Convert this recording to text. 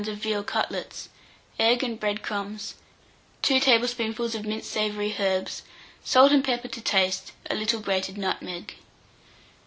of veal cutlets, egg and bread crumbs, 2 tablespoonfuls of minced savoury herbs, salt and pepper to taste, a little grated nutmeg.